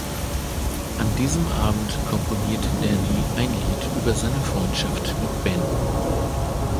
An diesem Abend komponiert Danny ein Lied über seine Freundschaft mit Ben.